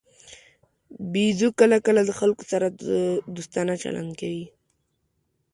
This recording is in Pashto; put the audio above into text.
بیزو کله کله د خلکو سره دوستانه چلند کوي.